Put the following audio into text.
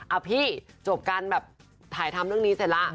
อ่ะพี่จบการแบบถ่ายทำเรื่องนี้เสร็จแล้ว